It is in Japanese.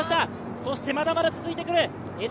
そしてまだまだ続いてくる。